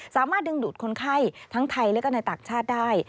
สามารถดึงดูดคนไข้ทั้งไทยและก็ในต่างชาติได้